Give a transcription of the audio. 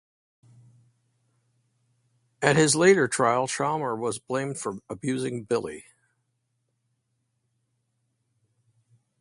At his later trial, Chalmer was blamed for abusing Billy.